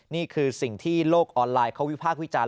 นี่คือสิ่งที่โลกออนไลน์เขาวิพากษ์วิจารณ